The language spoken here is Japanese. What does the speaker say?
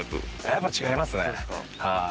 やっぱ違いますねはい。